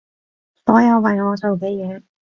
所有為我做嘅嘢